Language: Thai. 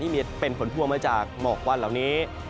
มีเป็นผลพวงมาจากหมอกควันเหล่านี้